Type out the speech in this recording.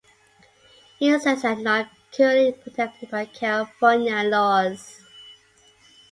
Insects are not currently protected by California laws.